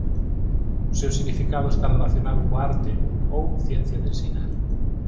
O seu significado está relacionado coa arte ou ciencia de ensinar.